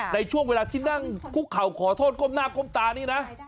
ในช่วงเวลาที่นั่งคุกเข่าขอโทษก้มหน้าก้มตานี่นะ